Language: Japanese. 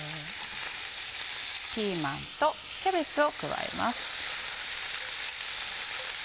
ピーマンとキャベツを加えます。